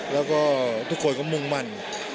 แล้วก็ทุกคนก็มุ่งมั่น